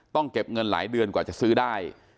เก็บเงินหลายเดือนกว่าจะซื้อได้